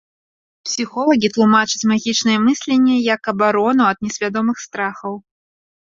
Псіхолагі тлумачаць магічнае мысленне як абарону ад несвядомых страхаў.